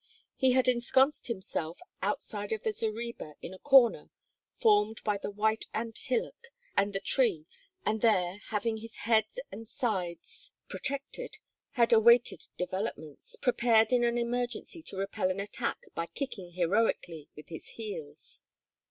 He had ensconced himself outside of the zareba in a corner formed by the white ant hillock and the tree and there, having his head and sides protected, had awaited developments, prepared in an emergency to repel an attack by kicking heroically with his heels.